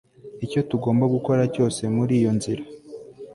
icyo tugomba gukora cyose muri iyo nzira